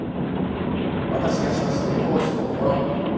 「私がします」という奉仕の心。